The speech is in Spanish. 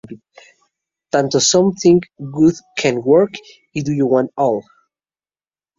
Tanto "Something Good Can Work" y "Do You Want It All?